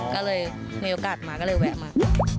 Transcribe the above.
ก็เลยมีโอกาสมาก็เลยแวะมา